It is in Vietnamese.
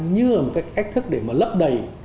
như là một cái cách thức để mà lấp đầy